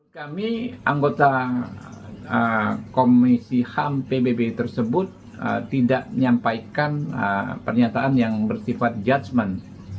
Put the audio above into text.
kami anggota komisi ham pbb tersebut tidak menyampaikan pernyataan yang bersifat judgement